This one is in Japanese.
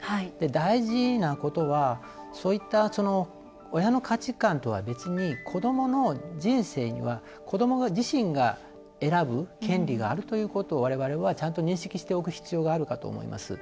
大事なことはそういった親の価値観とは別に子どもの人生には子ども自身が選ぶ権利があるということを我々は、ちゃんと認識しておく必要があると思います。